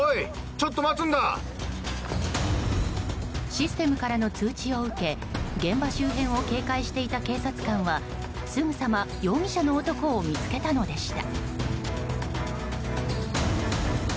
システムからの通知を受け現場周辺を警戒していた警察官はすぐさま容疑者の男を見つけたのでした。